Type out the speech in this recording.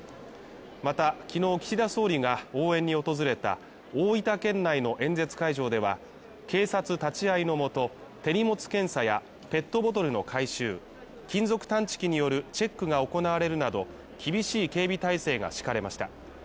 また、昨日岸田総理が応援に訪れた大分県内の演説会場では警察立会いのもと、手荷物検査やペットボトルの回収金属探知機によるチェックが行われるなど、厳しい警備態勢が敷かれました。